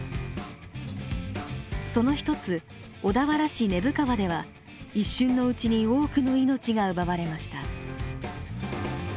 その一つ小田原市根府川では一瞬のうちに多くの命が奪われました。